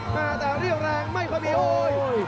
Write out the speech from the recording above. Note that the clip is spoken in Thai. หน้าตาเรี่ยวแรงไม่ความมีโอ้ย